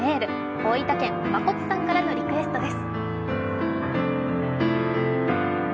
大分県、まこつさんからのリクエストです。